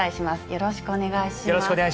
よろしくお願いします。